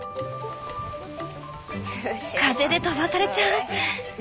風で飛ばされちゃう！